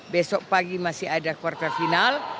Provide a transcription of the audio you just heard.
besok pagi masih ada kuartal final